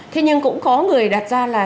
thế nhưng cũng có người đặt ra là